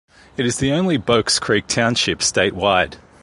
It is the only Bokescreek Township statewide.